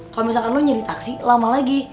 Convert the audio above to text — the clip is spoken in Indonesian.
kalo misalkan lo nyari taksi lama lagi